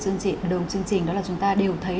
ở đồng chương trình đó là chúng ta đều thấy